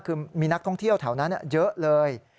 คือมีนักท่องเที่ยวแถวนั้นเยอะเลย